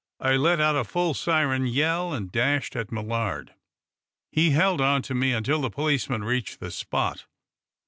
I let out a full siren yell and dashed at Millard. He held on to me until the policeman reached the spot.